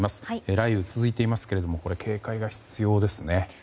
雷雨が続いていますけれども警戒が必要ですね。